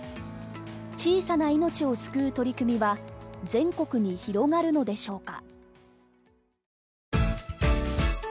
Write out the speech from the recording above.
小さな命を救う取り組みは全国に広がるのでしょうか。